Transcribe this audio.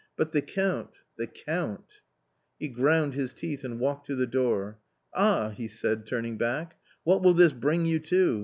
but the Count, the Count !" He ground his teeth and walked to the door. " Ah," he said, turning back, " what will this bring you to